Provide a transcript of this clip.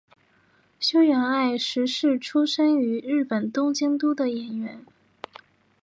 筱原爱实是出身于日本东京都的演员。